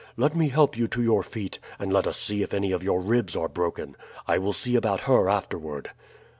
"Let me help you to your feet, and let us see if any of your ribs are broken. I will see about her afterward."